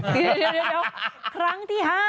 เดี๋ยวครั้งที่๕